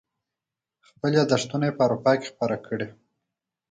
خپل یاداشتونه یې په اروپا کې خپاره کړي.